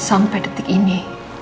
sampai detik ini